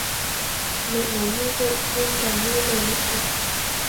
mẹ nói như vậy em đành nghe lời mẹ dặn